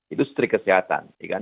itu setrik kesehatan